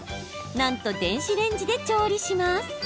なんと電子レンジで調理します。